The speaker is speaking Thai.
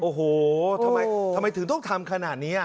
โอ้โหทำไมถึงต้องทำขนาดนี้